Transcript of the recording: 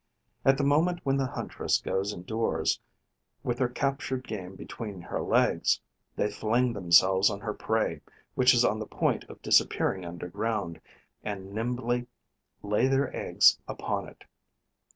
At the moment when the huntress goes indoors, with her captured game between her legs, they fling themselves on her prey, which is on the point of disappearing underground, and nimbly lay their eggs upon it.